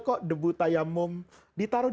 kok debu tayammum ditaruh